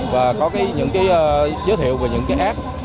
và có những giới thiệu về những app